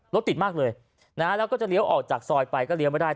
รถติดมากเลยนะฮะแล้วก็จะเลี้ยวออกจากซอยไปก็เลี้ยวไม่ได้